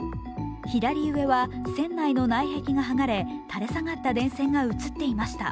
左上は船内の内壁が剥がれ、垂れ下がった電線が写っていました。